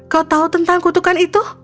kau tahu tentang kutukan itu